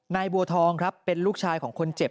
นายบัวทองเป็นลูกชายของคนเจ็บ